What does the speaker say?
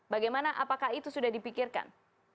bagaimana apakah itu sudah dipikirkan